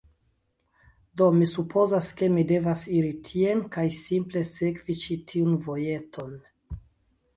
Do, mi supozas, ke mi devas iri tien kaj simple sekvi ĉi tiun vojeton